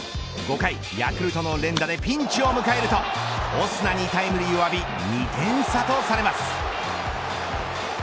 ５回、ヤクルトの連打でピンチを迎えるとオスナにタイムリーを浴び２点差とされます。